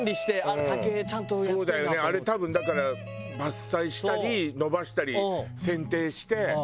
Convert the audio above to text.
あれ多分だから伐採したり伸ばしたり剪定して。